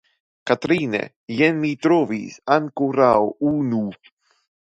Katrine, jen mi trovis ankoraŭ unu.